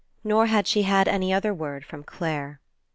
Nor had she had any other word from Clare.